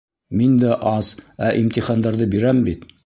Мин дә ас, ә имтихандарҙы бирәм бит.